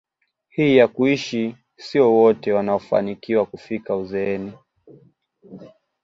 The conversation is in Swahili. hii ya kuishi sio wote wanaofanikiwa kufika uzeeni